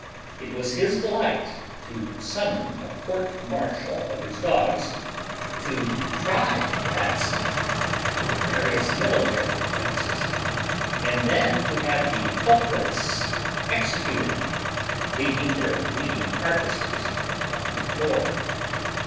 It was his delight to summon a court martial of his dogs to try the rats for various military offenses, and then to have the culprits executed, leaving their bleeding carcasses upon the floor.